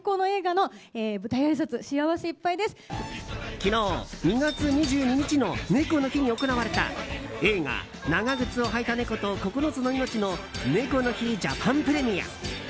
昨日、２月２２日の猫の日に行われた映画「長ぐつをはいたネコと９つの命」の猫の日ジャパンプレミア。